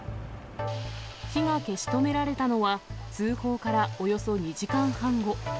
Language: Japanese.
火が消し止められたのは、通報からおよそ２時間半後。